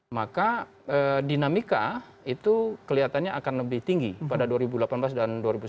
maka dinamika itu kelihatannya akan lebih tinggi pada dua ribu delapan belas dan dua ribu sembilan belas